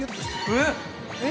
◆えっ！